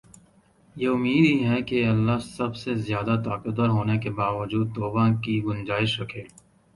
یہ امید ہی ہے کہ اللہ سب سے زیادہ طاقتور ہونے کے باوجود توبہ کی گنجائش رکھے